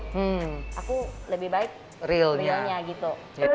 tapi aku lebih baik realnya gitu